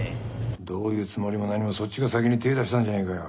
どういうつもりも何もそっちが先に手出したんじゃねえかよ。